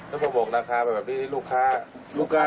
แล้วก็บอกราคาไปแบบนี้ลูกค้าลูกค้า